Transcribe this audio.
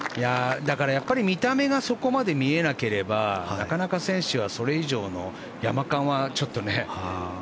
だから、やっぱり見た目がそこまで見えなければなかなか選手はそれ以上の山勘はちょっとね。